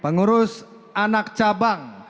pengurus anak cabang